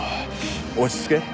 落ち着け。